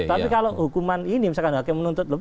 tapi kalau hukuman ini misalkan hakim memutus enam tahun